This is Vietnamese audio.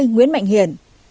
sáu mươi nguyễn mạnh hiển